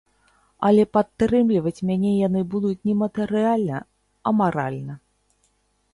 Але падтрымліваць мяне яны будуць не матэрыяльна, а маральна.